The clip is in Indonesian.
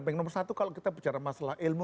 yang nomor satu kalau kita bicara masalah ilmu